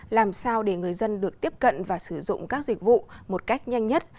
làm sao để người dân được tiếp cận và sử dụng các dịch vụ một cách nhanh nhất